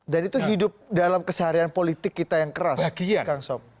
dan itu hidup dalam keseharian politik kita yang keras kang sob